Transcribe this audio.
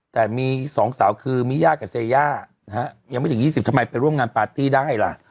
แต่มี๒สาวคือมิยากับเซย่านะฮะยังไม่ถึง๒๐ทำไมไปร่วมงานปาร์ตี้ได้ล่ะ